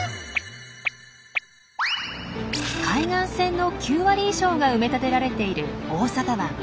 海岸線の９割以上が埋め立てられている大阪湾。